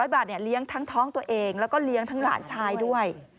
๐บาทเลี้ยงทั้งท้องตัวเองแล้วก็เลี้ยงทั้งหลานชายด้วย